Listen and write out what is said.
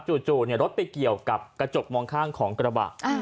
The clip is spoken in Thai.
จู่รถไปเกี่ยวกับกระจกมองข้างของกระบะ